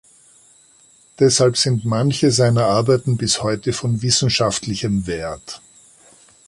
Deshalb sind manche seiner Arbeiten bis heute von wissenschaftlichem Wert.